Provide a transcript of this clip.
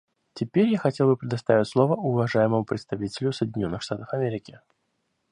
Теперь я хотел бы предоставить слово уважаемому представителю Соединенных Штатов Америки.